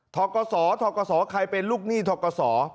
ธศธศใครเป็นลูกหนี้ธศ